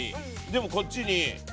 でもこっちに。